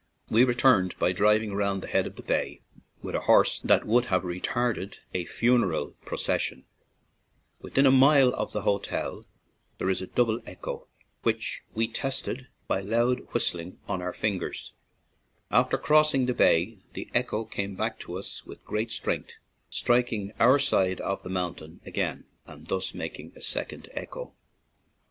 We returned by driving round the head of the bay, with a horse that would have retarded a funeral pro cession. Within a mile of the hotel there 72 H S JO d o % CO r o o o£ d M S w CO H CO 3 o Pd O O a LEENANE TO RECESS is a double echo, which we tested by loud whistling on our fingers. After crossing the bay, the echo came back to us with great strength, striking our side of the mountain again and thus making a sec ond echo.